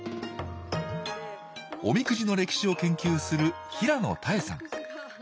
おみくじの歴史を研究する平野多恵さん。